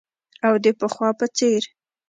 او د پخوا په څیر